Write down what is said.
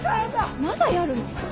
まだやるの？